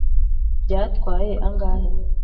byatwaye angahe